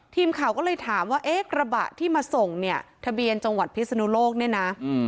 ทีมข่าวก็เลยถามว่าเอ๊ะกระบะที่มาส่งเนี่ยทะเบียนจังหวัดพิศนุโลกเนี่ยนะ